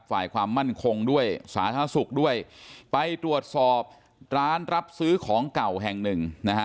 ฝ่ายความมั่นคงด้วยสาธารณสุขด้วยไปตรวจสอบร้านรับซื้อของเก่าแห่งหนึ่งนะฮะ